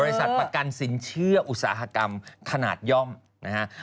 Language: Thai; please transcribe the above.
ประกันสินเชื่ออุตสาหกรรมขนาดย่อมนะฮะ